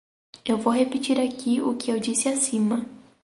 Eu vou repetir aqui o que eu disse acima.